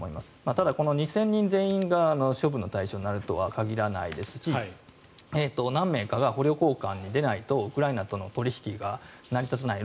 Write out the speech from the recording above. ただ、この２０００人全員が処分の対象になるとは限らないですし何名かは捕虜交換でないとウクライナとの取引が成り立たない。